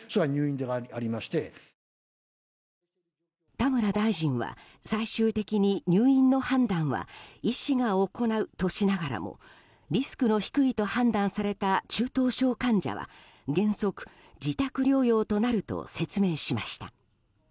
田村大臣は最終的に入院の判断は医師が行うとしながらもリスクの低いと判断された中等症患者は原則、自宅療養となると説明しました。